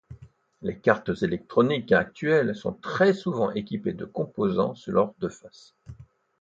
Les cartes électroniques actuelles sont très souvent équipées de composants sur leurs deux faces.